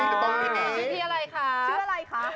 ชื่ออะไรพี่เต้ชื่ออะไรครับ